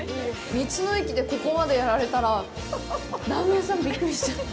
道の駅でここまでやられたら、ラーメン屋さん、びっくりしちゃう。